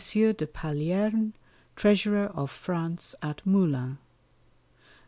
_To M. de Palierne, Treasurer of France at Moulins.